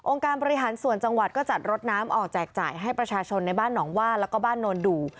การบริหารส่วนจังหวัดก็จัดรถน้ำออกแจกจ่ายให้ประชาชนในบ้านหนองว่าแล้วก็บ้านโนนดู